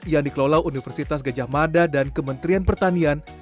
yang dikelola universitas gejah mada dan kementerian pertanian